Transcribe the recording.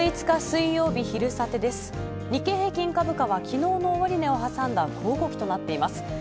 日経平均株価は昨日の終値をはさんだ小動きとなっています。